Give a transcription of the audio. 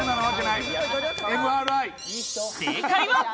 正解は。